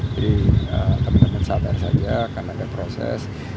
jadi teman teman sabar saja karena ada proses